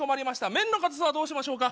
麺のかたさはどうしましょうか？